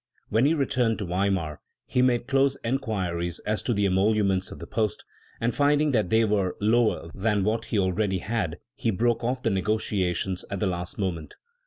When he returned to Weimar, he made closer enquiries as to the emoluments of the post, and finding that they were lower than what he already had he broke off the negociations at the last moment.